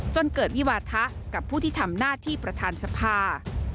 จนเกิดวิวาทะกับผู้ที่ทำหน้าที่ประธานสภา